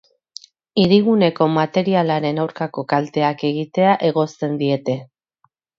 Hiriguneko materialaren aurkako kalteak egitea egozten diete.